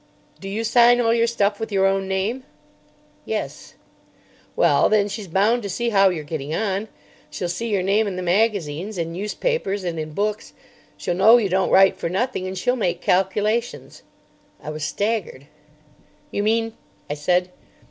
Do you sign all your stuff with your own name?" "Yes." "Well, then, she's bound to see how you're getting on. She'll see your name in the magazines, in newspapers and in books. She'll know you don't write for nothing, and she'll make calculations." I was staggered. "You mean—?" I said.